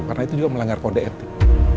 karena itu juga melanggar kode etik